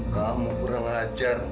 kamu kurang ajar